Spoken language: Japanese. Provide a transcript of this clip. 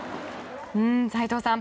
斎藤さん